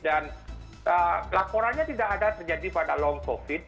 dan laporannya tidak ada terjadi pada long covid